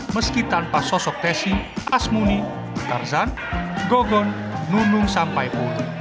meski tanpa sosok tesi asmuni tarzan gogon nunung sampai pulu